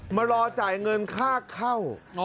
มารอจ่ายเงินค่าเข้า